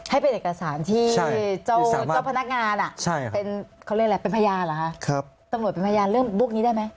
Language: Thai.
ให้เป็นเอกสารที่เจ้าพนักงานเป็นพญานหรือคะตำรวจเป็นพญานเรื่องบุคนี้ได้ไหม